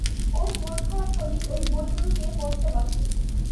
ওর মন খারাপ হলেই ঐ বইগুলো নিয়ে পড়তে বসে।